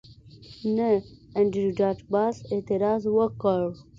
نه انډریو ډاټ باس اعتراض وکړ